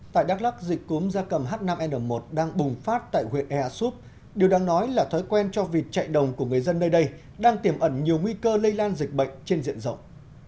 tại đắk lắc dịch cúm da cầm h năm n một đang bùng phát tại huyện ea súp điều đang nói là thói quen cho vịt chạy đồng của người dân nơi đây đang tiềm ẩn nhiều nguy cơ lây lan dịch bệnh trên diện rộng